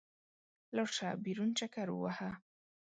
لاړ شه، بېرون چکر ووهه.